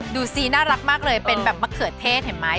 ดูสิน่ารักมากเลยเป็นแบบมะเขือเทศเห็นไหม